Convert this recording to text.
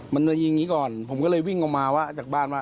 มันเลยยิงอย่างนี้ก่อนผมก็เลยวิ่งออกมาว่าจากบ้านว่า